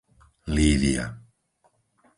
Lívia